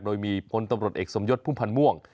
โดยมีพลตำรวจเอกสมยศพุ่มพันธ์ม่วง